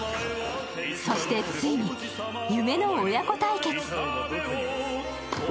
そしてついに、夢の親子対決。